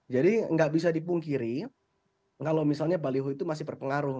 jadi enggak bisa dipungkiri kalau misalnya balihu itu masih berpengaruh